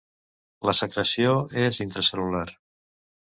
La secreció és intracel·lular.